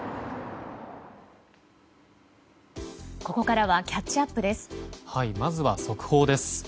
ここからはキャッチアップです。